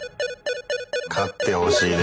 勝ってほしいね。